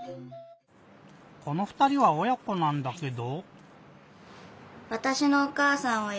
この２人はおや子なんだけど。